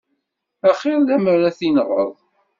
A xir lemmer ad i-tenɣeḍ.